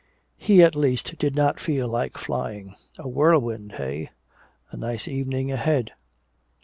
He at least did not feel like flying. A whirlwind, eh a nice evening ahead!